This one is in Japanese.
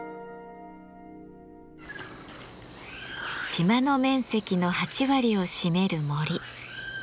島の面積の８割を占める森。